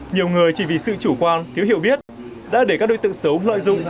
nhiều người chỉ vì sự chủ quan thiếu hiểu biết đã để các đối tượng xấu loại dung